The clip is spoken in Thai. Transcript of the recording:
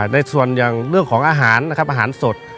ในส่วนอย่างเรื่องของอาหารนะครับอาหารสด